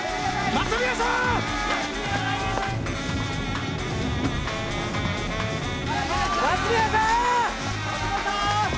松宮さーん！